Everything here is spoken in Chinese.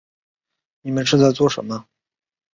你们是在做什么